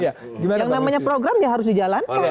yang namanya program ya harus dijalankan